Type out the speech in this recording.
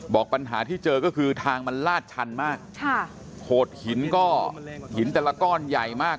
ปัญหาที่เจอก็คือทางมันลาดชันมากค่ะโขดหินก็หินแต่ละก้อนใหญ่มาก